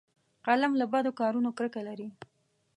قلم له بدو کارونو کرکه لري